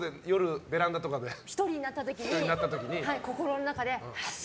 １人になった時に心の中で。